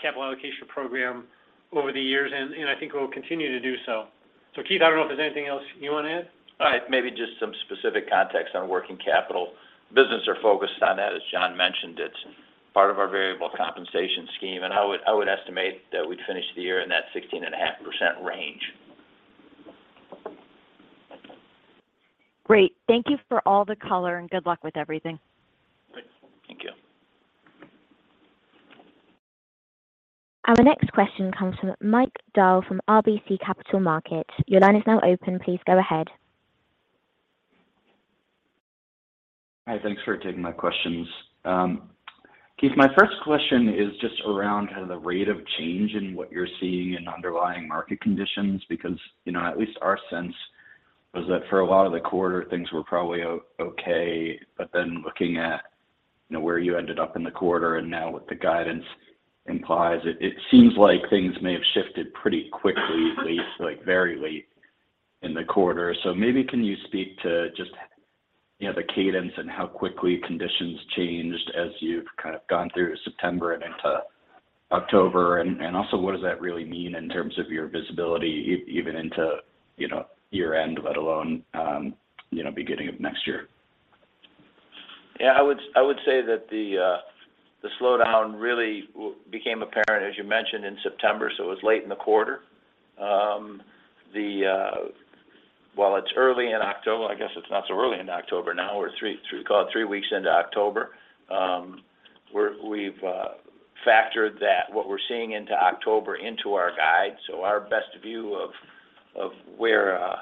capital allocation program over the years, and I think we'll continue to do so. Keith, I don't know if there's anything else you want to add. Maybe just some specific context on working capital. Businesses are focused on that. As John mentioned, it's part of our variable compensation scheme. I would estimate that we'd finish the year in that 16.5% range. Great. Thank you for all the color, and good luck with everything. Great. Thank you. Our next question comes from Mike Dahl from RBC Capital Markets. Your line is now open. Please go ahead. Hi. Thanks for taking my questions. Keith, my first question is just around kind of the rate of change in what you're seeing in underlying market conditions, because, you know, at least our sense was that for a lot of the quarter, things were probably okay. Looking at, you know, where you ended up in the quarter and now what the guidance implies, it seems like things may have shifted pretty quickly, at least like very late in the quarter. Maybe can you speak to just, you know, the cadence and how quickly conditions changed as you've kind of gone through September and into October? Also what does that really mean in terms of your visibility even into, you know, year-end, let alone, you know, beginning of next year? Yeah. I would say that the slowdown really became apparent, as you mentioned, in September, so it was late in the quarter. While it's early in October, I guess it's not so early in October now. We're three weeks into October. We've factored what we're seeing into October into our guide. So our best view of where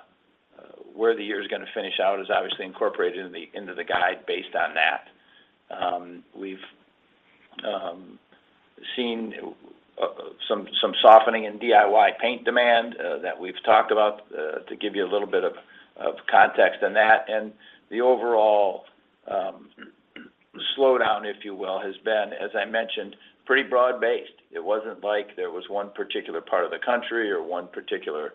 the year is gonna finish out is obviously incorporated into the guide based on that. We've seen some softening in DIY paint demand that we've talked about to give you a little bit of context on that. The overall slowdown, if you will, has been, as I mentioned, pretty broad-based. It wasn't like there was one particular part of the country or one particular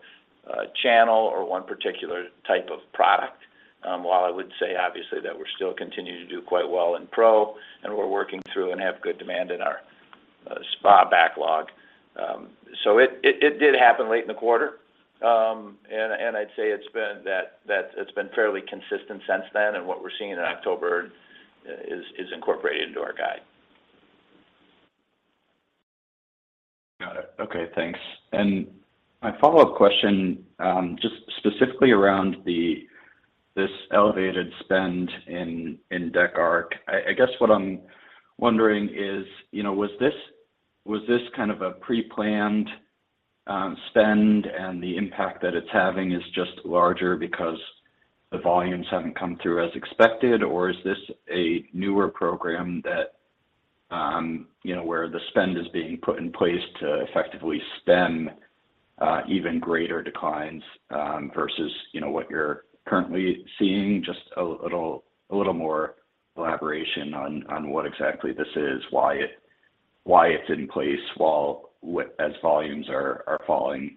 channel or one particular type of product. While I would say obviously that we're still continuing to do quite well in pro and we're working through and have good demand in our spa backlog. It did happen late in the quarter. I'd say it's been that it's been fairly consistent since then. What we're seeing in October is incorporated into our guide. Got it. Okay, thanks. My follow-up question, just specifically around this elevated spend in deck arc. I guess what I'm wondering is, you know, was this kind of a preplanned spend and the impact that it's having is just larger because the volumes haven't come through as expected? Or is this a newer program that, you know, where the spend is being put in place to effectively stem even greater declines versus what you're currently seeing? Just a little more elaboration on what exactly this is, why it's in place as volumes are falling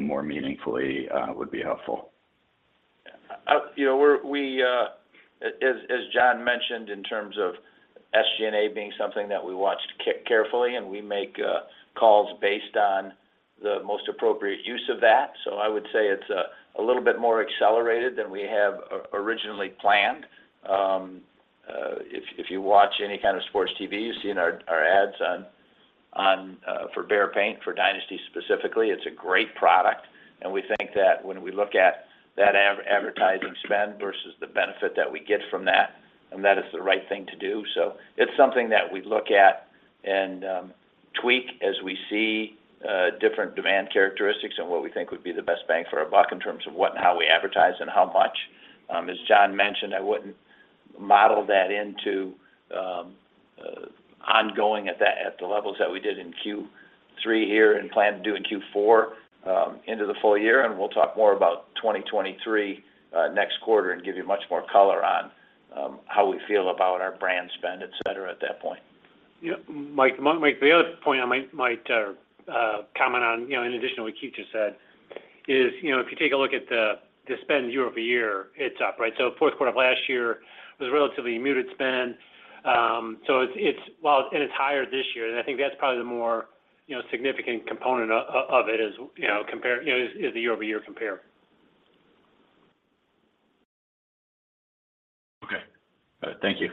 more meaningfully would be helpful. You know, we as John mentioned in terms of SG&A being something that we watched carefully, and we make calls based on the most appropriate use of that. I would say it's a little bit more accelerated than we have originally planned. If you watch any kind of sports TV, you've seen our ads on for Behr paint, for Dynasty specifically. It's a great product, and we think that when we look at that advertising spend versus the benefit that we get from that, and that is the right thing to do. It's something that we look at and tweak as we see different demand characteristics and what we think would be the best bang for our buck in terms of what and how we advertise and how much. As John mentioned, I wouldn't model that into—I'm going at the levels that we did in Q3 here and plan to do in Q4 into the full year, and we'll talk more about 2023 next quarter and give you much more color on how we feel about our brand spend, etc., at that point. Yeah. Mike, the other point I might comment on, you know, in addition to what Keith just said is, you know, if you take a look at the spend year-over-year, it's up, right? Fourth quarter of last year was relatively muted spend. While it's higher this year, and I think that's probably the more, you know, significant component of it is, you know, the year-over-year compare. Okay. All right. Thank you.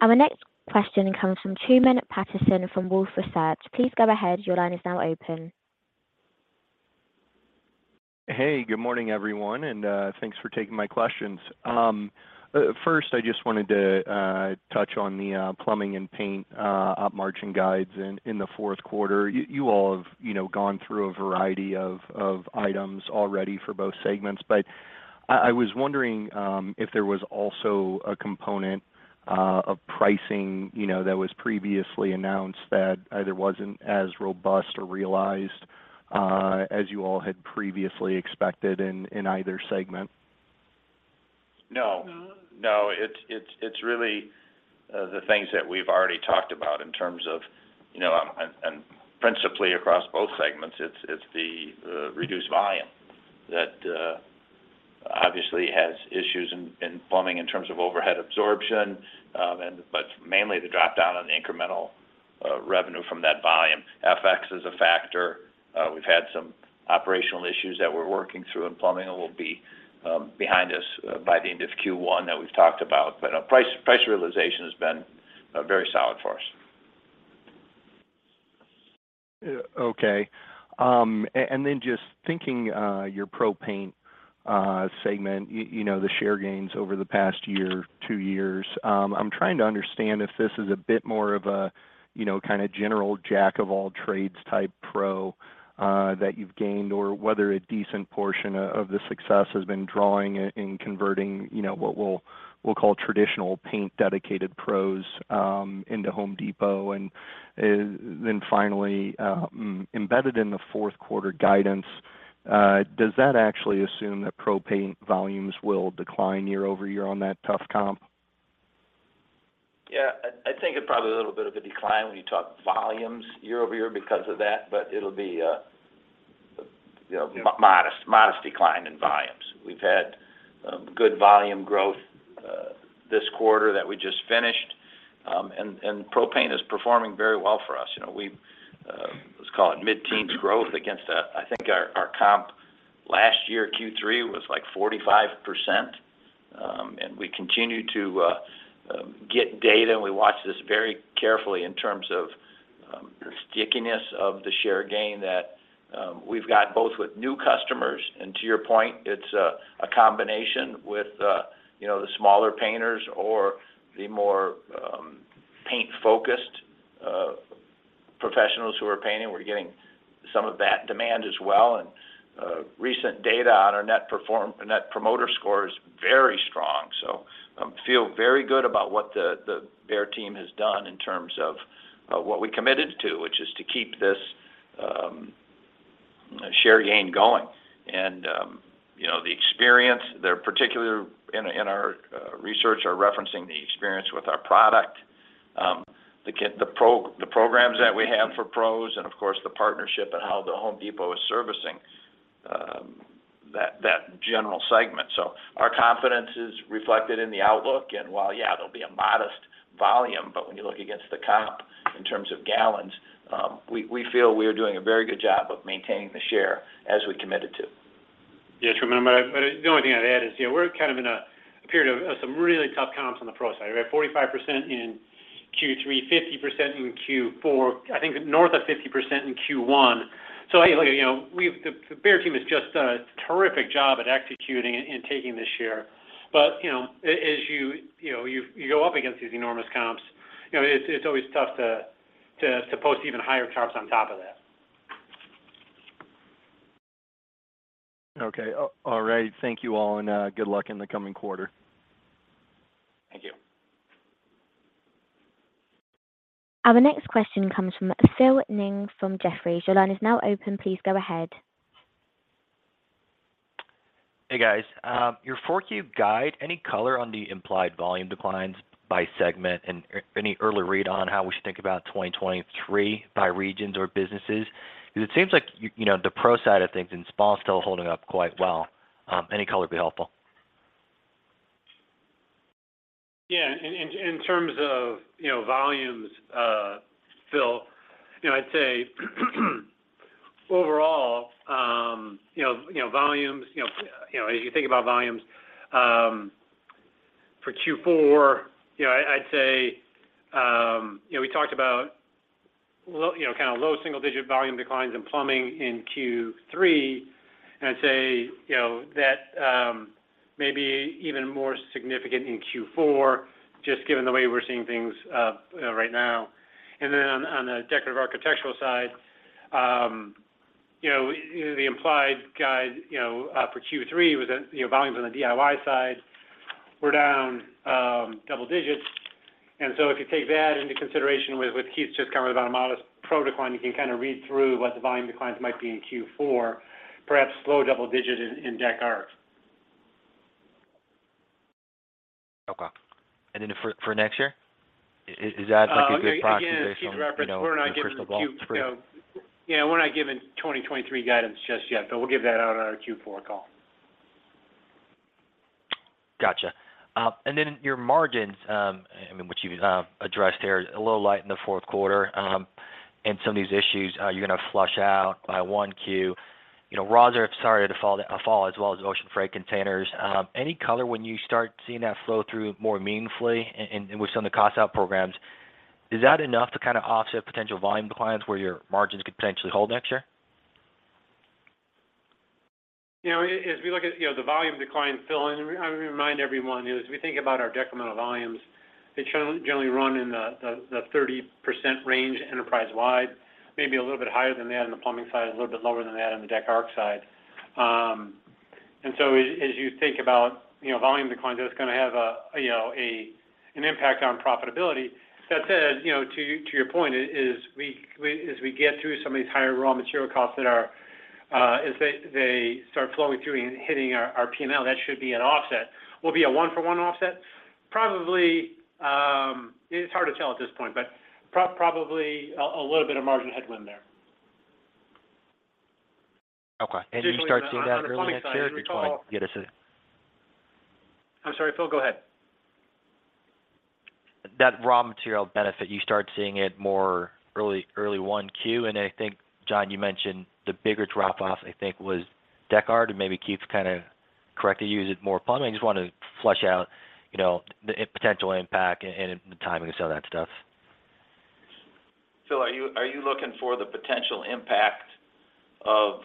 Our next question comes from Truman Patterson from Wolfe Research. Please go ahead. Your line is now open. Hey, good morning, everyone, and thanks for taking my questions. First, I just wanted to touch on the plumbing and paint op margin guidance in the fourth quarter. You all have, you know, gone through a variety of items already for both segments. I was wondering if there was also a component of pricing, you know, that was previously announced that either wasn't as robust or realized as you all had previously expected in either segment. No. It's really the things that we've already talked about in terms of, you know, and principally across both segments, it's the reduced volume that obviously has issues in plumbing in terms of overhead absorption, but mainly the dropdown on the incremental revenue from that volume. FX is a factor. We've had some operational issues that we're working through in plumbing that will be behind us by the end of Q1 that we've talked about. Price realization has been very solid for us. Okay. And then just thinking, your pro paint segment, you know, the share gains over the past year, two years, I'm trying to understand if this is a bit more of a, you know, kind of general jack of all trades type pro that you've gained or whether a decent portion of the success has been drawing and converting, you know, what we'll call traditional paint dedicated pros into Home Depot. Embedded in the fourth quarter guidance, does that actually assume that pro paint volumes will decline year-over-year on that tough comp? Yeah. I think it's probably a little bit of a decline when you talk volumes year-over-year because of that, but it'll be, you know, modest decline in volumes. We've had good volume growth this quarter that we just finished. Pro paint is performing very well for us. You know, let's call it mid-teens growth against, I think our comp last year, Q3 was, like, 45%. We continue to get data, and we watch this very carefully in terms of stickiness of the share gain that we've got both with new customers, and to your point, it's a combination with, you know, the smaller painters or the more paint-focused professionals who are painting. We're getting some of that demand as well, and recent data on our Net Promoter Score is very strong. I feel very good about what the Behr team has done in terms of what we committed to, which is to keep this share gain going. You know, the experience they're particular in our research are referencing the experience with our product, the programs that we have for pros and of course the partnership and how The Home Depot is servicing that general segment. Our confidence is reflected in the outlook. While there'll be a modest volume, but when you look against the comp in terms of gallons, we feel we are doing a very good job of maintaining the share as we committed to. Yeah. Truman, the only thing I'd add is, you know, we're kind of in a period of some really tough comps on the pro side, right? 45% in Q3, 50% in Q4, I think north of 50% in Q1. The Behr team has just done a terrific job at executing and taking this share. As you know, you go up against these enormous comps, you know, it's always tough to post even higher comps on top of that. Okay. All right. Thank you all, and good luck in the coming quarter. Thank you. Our next question comes from Phil Ng from Jefferies. Your line is now open. Please go ahead. Hey, guys. Your 4Q guide, any color on the implied volume declines by segment and any early read on how we should think about 2023 by regions or businesses? Because it seems like you know, the pro side of things and small is still holding up quite well. Any color would be helpful. Yeah. In terms of, you know, volumes, Phil, you know, I'd say overall, you know, as you think about volumes for Q4, you know, I'd say, you know, we talked about low single-digit volume declines in plumbing in Q3. I'd say, you know, that may be even more significant in Q4 just given the way we're seeing things, you know, right now. Then on the Decorative Architectural side, you know, the implied guide, you know, for Q3 was that, you know, volumes on the DIY side were down double digits. If you take that into consideration with Keith's just comment about a modest pro decline, you can kind of read through what the volume declines might be in Q4, perhaps low double-digit in Decorative Architectural. Okay. For next year? Is that like a good proxy based on, you know, the first of all three? Again, as Keith referenced, you know, yeah, we're not giving 2023 guidance just yet, but we'll give that out on our Q4 call. Gotcha. Then your margins, I mean, which you've addressed here, a little light in the fourth quarter, some of these issues, you're gonna flush out by 1Q. You know, raws are starting to fall as well as ocean freight containers. Any color when you start seeing that flow through more meaningfully with some of the cost out programs, is that enough to kind of offset potential volume declines where your margins could potentially hold next year? You know, as we look at the volume decline, Phil, I'm gonna remind everyone, you know, as we think about our decremental volumes, they generally run in the 30% range enterprise-wide, maybe a little bit higher than that on the plumbing side, a little bit lower than that on the Decorative Architectural side. As you think about volume declines, that's gonna have an impact on profitability. That said, you know, to your point is we as we get through some of these higher raw material costs that are as they start flowing through and hitting our P&L, that should be an offset. Will it be a one for one offset? Probably, it's hard to tell at this point, but probably a little bit of margin headwind there. Okay. You start seeing that early next year if you want to get us a I'm sorry, Phil, go ahead. That raw material benefit, you start seeing it more early 1Q. I think, John, you mentioned the bigger drop off I think was Decor, and maybe Keith kind of corrected you, is it more plumbing? I just wanted to flesh out, you know, the potential impact and the timing of some of that stuff. Phil, are you looking for the potential impact of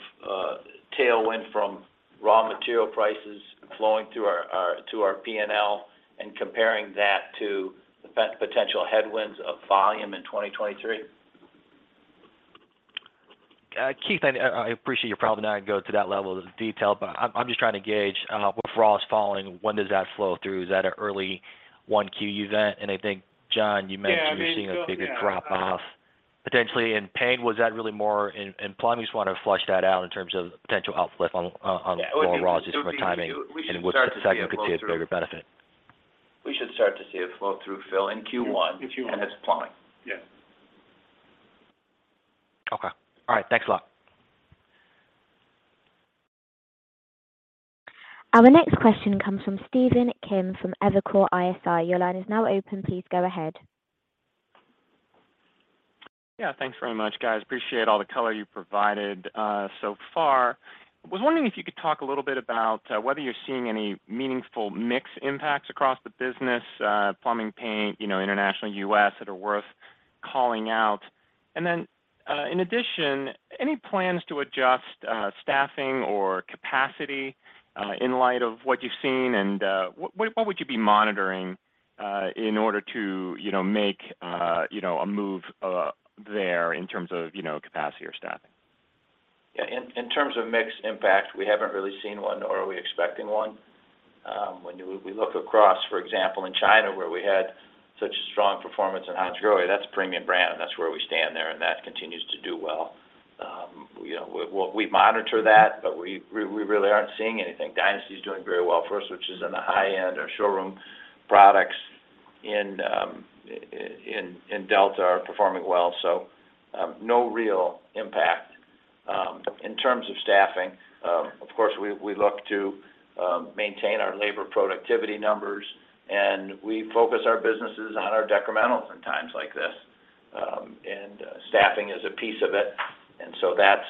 tailwind from raw material prices flowing through our to our P&L and comparing that to the potential headwinds of volume in 2023? Keith, I appreciate you're probably not gonna go to that level of detail, but I'm just trying to gauge, with resins falling, when does that flow through? Is that an early 1Q event? I think, John, you mentioned- Yeah. I mean, Phil, yeah. You're seeing a bigger drop off potentially in paint. Was that really more in plumbing? I just wanna flesh that out in terms of potential uplift on raw system timing and which segment could see a bigger benefit. We should start to see a flow through, Phil, in Q1. In Q1. It's plumbing. Yes. Okay. All right. Thanks a lot. Our next question comes from Stephen Kim from Evercore ISI. Your line is now open. Please go ahead. Yeah, thanks very much, guys. Appreciate all the color you provided so far. Was wondering if you could talk a little bit about whether you're seeing any meaningful mix impacts across the business, plumbing, paint, you know, international U.S., that are worth calling out. In addition, any plans to adjust staffing or capacity in light of what you've seen? What would you be monitoring in order to make a move there in terms of capacity or staffing? Yeah. In terms of mix impact, we haven't really seen one nor are we expecting one. When we look across, for example, in China where we had such strong performance in Hansgrohe, that's a premium brand, and that's where we stand there, and that continues to do well. You know, we monitor that, but we really aren't seeing anything. Dynasty is doing very well for us, which is in the high-end or showroom products in Delta are performing well. No real impact. In terms of staffing, of course, we look to maintain our labor productivity numbers, and we focus our businesses on our decremental in times like this. Staffing is a piece of it, and so that's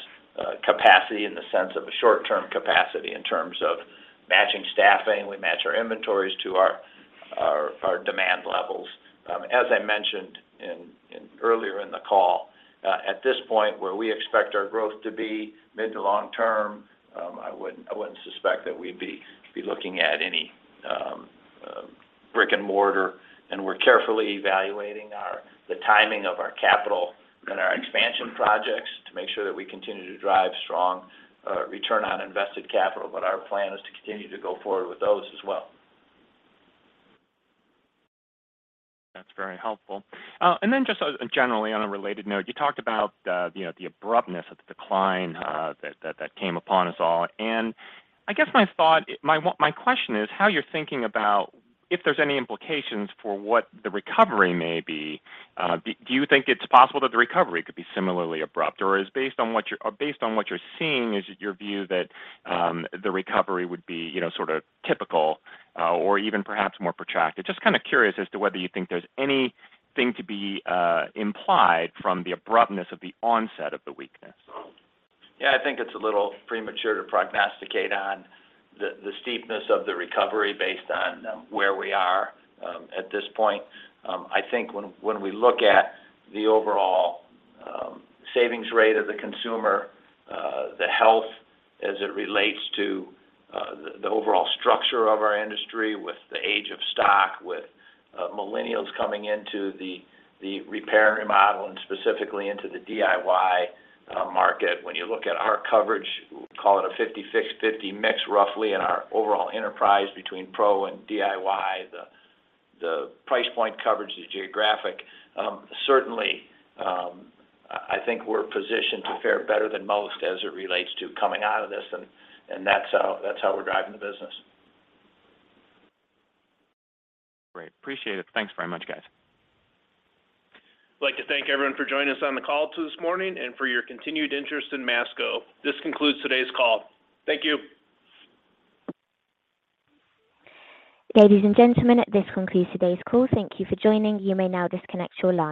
capacity in the sense of a short-term capacity in terms of matching staffing. We match our inventories to our demand levels. As I mentioned earlier in the call, at this point, where we expect our growth to be mid- to long-term, I wouldn't suspect that we'd be looking at any brick and mortar. We're carefully evaluating the timing of our capital and our expansion projects to make sure that we continue to drive strong return on invested capital. Our plan is to continue to go forward with those as well. That's very helpful. Just generally on a related note, you talked about you know the abruptness of the decline that came upon us all. I guess my thought my question is how you're thinking about if there's any implications for what the recovery may be. Do you think it's possible that the recovery could be similarly abrupt? Or is based on what you're seeing, is it your view that the recovery would be you know sort of typical or even perhaps more protracted? Just kind of curious as to whether you think there's anything to be implied from the abruptness of the onset of the weakness. Yeah, I think it's a little premature to prognosticate on the steepness of the recovery based on where we are at this point. I think when we look at the overall savings rate of the consumer, the health as it relates to the overall structure of our industry with the age of stock, with millennials coming into the repair and remodel and specifically into the DIY market. When you look at our coverage, call it a 50/50 mix roughly in our overall enterprise between pro and DIY, the price point coverage, the geographic, certainly, I think we're positioned to fare better than most as it relates to coming out of this, and that's how we're driving the business. Great. Appreciate it. Thanks very much, guys. We'd like to thank everyone for joining us on the call this morning and for your continued interest in Masco. This concludes today's call. Thank you. Ladies and gentlemen, this concludes today's call. Thank you for joining. You may now disconnect your line.